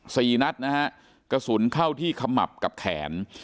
สี่นัดนะฮะกระสุนเข้าที่ขมับกับแขน